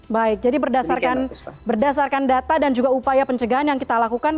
baik jadi berdasarkan data dan juga upaya pencegahan yang kita lakukan